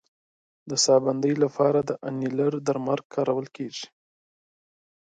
د ساه بندۍ لپاره د انیلر درمل کارېږي.